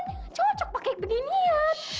nggak cocok pakai beginian